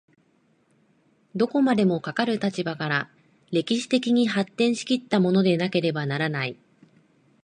どこまでもかかる立場から歴史的に発展し来ったものでなければならない。